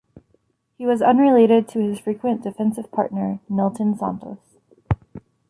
He was unrelated to his frequent defensive partner Nilton Santos.